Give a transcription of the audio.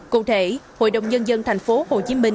cụ thể hội đồng nhân dân tp hcm